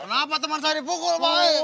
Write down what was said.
kenapa teman saya dipukul baik